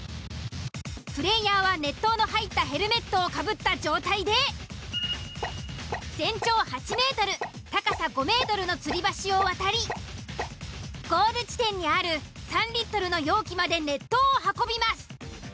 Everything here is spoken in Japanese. プレイヤーは熱湯の入ったヘルメットをかぶった状態で全長８ｍ高さ５ｍの吊り橋を渡りゴール地点にある３リットルの容器まで熱湯を運びます。